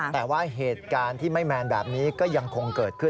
แต่ว่าเหตุการณ์ที่ไม่แมนแบบนี้ก็ยังคงเกิดขึ้น